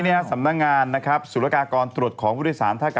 ศนี่นะครับศงทรวดของผู้โดยศาล